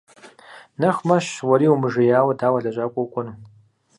Нэху мэщ, уэри умыжеяуэ дауэ лэжьакӀуэ укӀуэну?